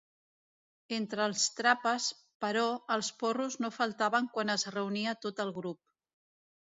Entre els Trapas, però, els porros no faltaven quan es reunia tot el grup.